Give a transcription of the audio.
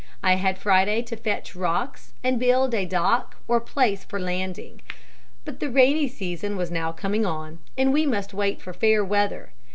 I had Friday to fetch rocks and build a dock or place for landing. But the rainy season was now coming on and we must wait for fair weather.